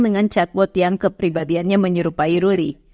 dengan chatbot yang kepribadiannya menyerupai ruli